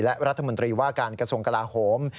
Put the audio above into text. และรัฐมนตรีว่าการกระทรวงกลาโหม